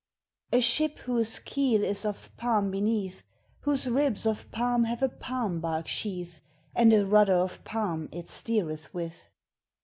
A ship whose keel is of palm beneath, Whose ribs of palm have a palm bark sheath, And a rudder of palm it steeretb with.